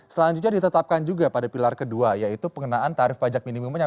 selanjutnya ditetapkan juga pada pilar kedua yaitu pengenaan tarif pajak minimumnya